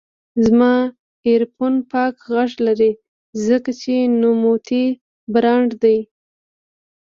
زما ایرفون پاک غږ لري، ځکه چې نوموتی برانډ دی.